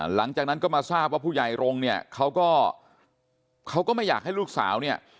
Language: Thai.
หลังจากนั้นก็มาทราบว่าผู้ใหญ่รงค์เนี่ยเขาก็เขาก็ไม่อยากให้ลูกสาวเนี่ย